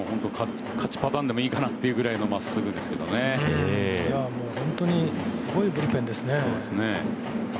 勝ちパターンでもいいかなというぐらいの本当にすごいブルペンですね。